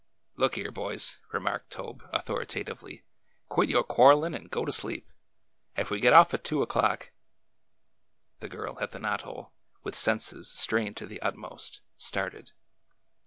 '' Look here, boys," remarked Tobe, authoritatively, quit yo' quarrelin' and go to sleep ! Ef we get off at two oYlock " The girl at the knot hole, with senses strained to the iitoost, smarted.